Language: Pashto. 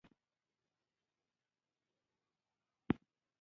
جامده برخه یې د وینې د کرویاتو څخه جوړه ده.